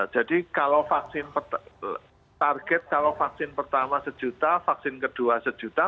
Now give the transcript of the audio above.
jadi kalau vaksin target kalau vaksin pertama sejuta vaksin kedua sejuta